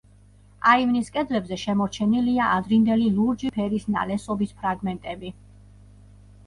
აივნის კედლებზე შემორჩენილია ადრინდელი ლურჯი ფერის ნალესობის ფრაგმენტები.